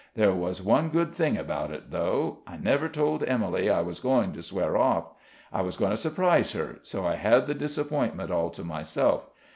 There was one good thing about it, though I never told Emily I was going to swear off; I was going to surprise her, so I had the disappointment all to myself.